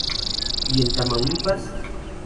Y en Tamaulipas